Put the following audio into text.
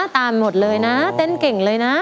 ตามหมดเลยนะเต้นเก่งเลยนะ